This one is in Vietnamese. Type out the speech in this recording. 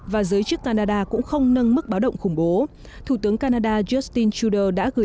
và giới chức canada cũng không nâng mức báo động khủng bố thủ tướng canada justin trudeau đã gửi